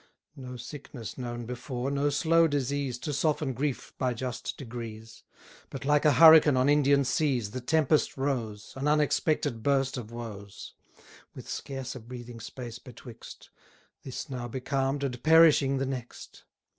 No sickness known before, no slow disease, To soften grief by just degrees: But like a hurricane on Indian seas, The tempest rose; An unexpected burst of woes; With scarce a breathing space betwixt This now becalm'd, and perishing the next.